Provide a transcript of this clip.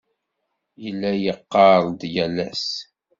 Yella yeɣɣar-d yal ass.